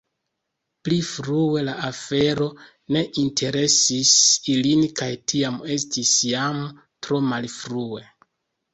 Pli frue la afero ne interesis ilin kaj tiam estis jam tro malfrue.”